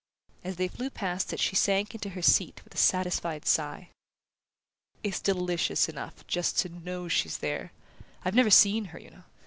As they flew past it she sank into her seat with a satisfied sigh. "It's delicious enough just to KNOW she's there! I've never seen her, you know.